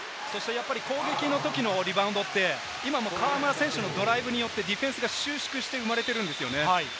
攻撃のときのリバウンドって今も河村選手のドライブによってディフェンスが収縮して生まれてるんですよね。